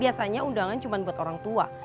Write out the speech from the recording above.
biasanya undangan cuma buat orang tua